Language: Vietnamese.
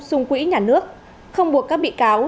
sung quỹ nhà nước không buộc các bị cáo